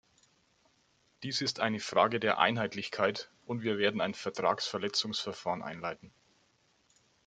Dies ist eine Frage der Einheitlichkeit, und wir werden ein Vertragsverletzungsverfahren einleiten.